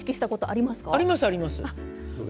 あります、あります。